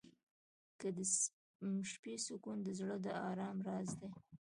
• د شپې سکون د زړه د ارام راز دی.